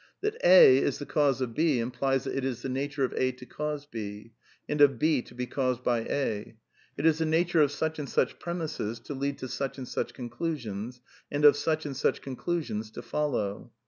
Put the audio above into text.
That A is the cause of B implies that it is the nature of A to cause B, and of B to be caused by A ; it is the nature of such and such premisses to lead to such and such conclusions, and of such and such conclusions to follow.